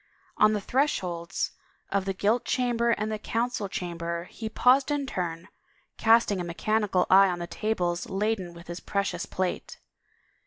On the thresholds of the gilt chamber and the council chamber he paused in turn, casting a mechanical eye on the tables laden with his precious plate.